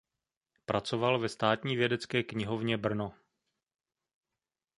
Pracoval ve Státní vědecké knihovně Brno.